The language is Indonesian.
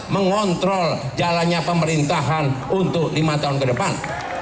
mengontrol jalannya pemerintahan untuk lima tahun ke depan